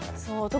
そう。